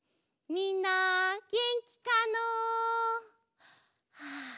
みんなげんきかの？はあ